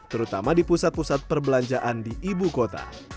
terutama di pusat pusat perbelanjaan di ibu kota